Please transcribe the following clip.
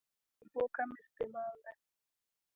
دويم د اوبو کم استعمال دی